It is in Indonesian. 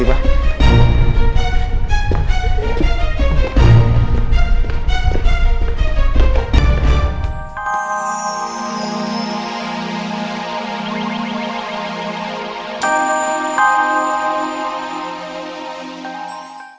apa buat uang nutritious